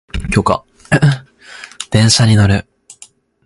電車に乗る